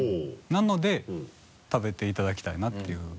なので食べていただきたいなって。